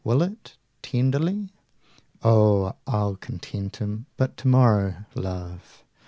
Will it? tenderly? Oh, I'll content him but tomorrow, Love!